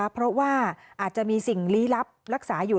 เพราะว่าอาจจะมีสิ่งลี้ลับรักษาอยู่